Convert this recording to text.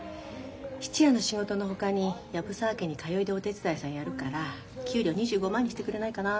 質屋の仕事のほかに藪沢家に通いでお手伝いさんやるから給料２５万にしてくれないかな。